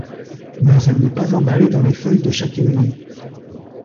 Mais elle n’est pas emballée dans les feuilles de châtaignier.